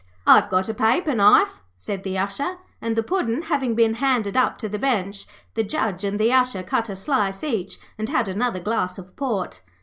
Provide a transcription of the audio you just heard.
'I've got a paper knife,' said the Usher; and, the Puddin' having been handed up to the bench, the Judge and the Usher cut a slice each, and had another glass of port.